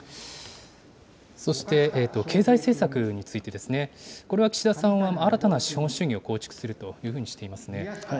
そして、経済政策についてですね、これは岸田さんは新たな資本主義を構築するというふうにしていますね。